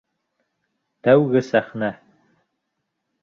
Тәүге сәхнә!